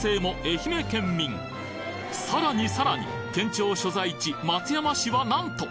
さらにさらに県庁所在地松山市はなんと！